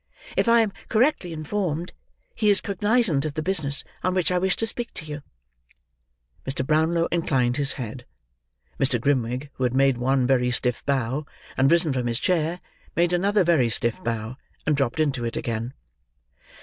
If I am correctly informed, he is cognizant of the business on which I wish to speak to you." Mr. Brownlow inclined his head. Mr. Grimwig, who had made one very stiff bow, and risen from his chair, made another very stiff bow, and dropped into it again.